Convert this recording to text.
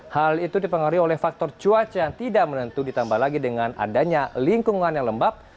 hal itu dipengaruhi oleh faktor cuaca yang tidak menentu ditambah lagi dengan adanya lingkungan yang lembab